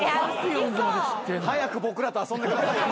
早く僕らと遊んでください。